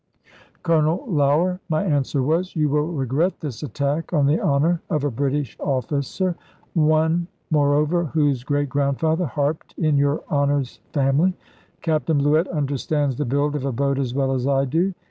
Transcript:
"Colonel Lougher," my answer was, "you will regret this attack on the honour of a British officer. One, moreover, whose great grandfather harped in your Honour's family. Captain Bluett understands the build of a boat as well as I do.